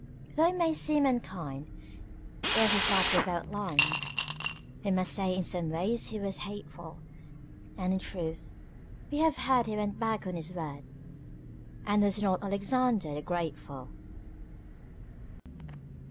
Though it may seem unkind, ere his life we've outlined, We must say in some ways he was hateful; And in truth, we have heard he went back on his word, And was not Alexander the Grateful.